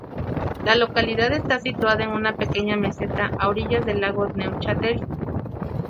La localidad está situada en una pequeña meseta a orillas del lago de Neuchâtel.